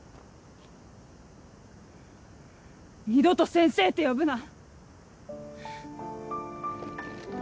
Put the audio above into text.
二度と「先生」って呼ぶな！